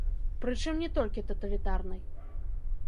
Прычым не толькі таталітарнай.